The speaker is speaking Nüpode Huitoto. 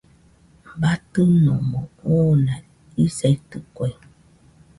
Batɨnomo oona isaitɨkue.